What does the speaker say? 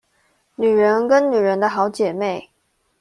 女人跟女人的好姐妹